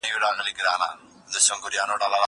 هغه څوک چي کتاب وړي زده کړه کوي!؟